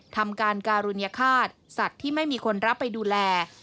ทำการการุญฆาตสัตว์ที่ไม่มีคนรับไปดูแล